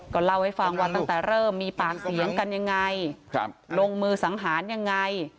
ก็เล่าให้ฟังว่าตั้งแต่เริ่มมีปากเสียงกันยังไงลงมือสังหารยังไง